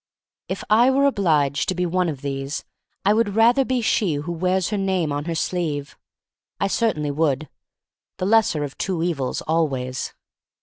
If I were obliged to be one of these I would rather be she who wears her name on her sleeve. I certainly would. The lesser of two evils, always.